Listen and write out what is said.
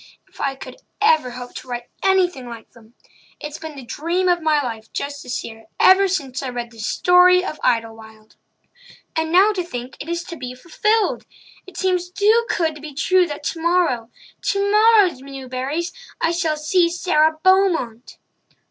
If I could ever hope to write anything like them! It's been the dream of my life just to see her ever since I read The Story of Idlewild. And now to think that it is to be fulfilled! It seems too good to be true that tomorrow—tomorrow, Newburys,—I shall see Sara Beaumont!"